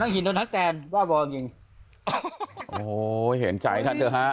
โห้ยเห็นใจท่านเถอะฮะ